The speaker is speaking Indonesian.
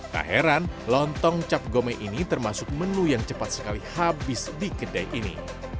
keheran lontong cap gome ini termasuk menu yang cepat sekali habis di kedai ini